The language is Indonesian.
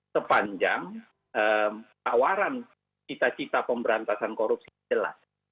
sepanjang tawaran cita cita pemberantasan korupsi jelas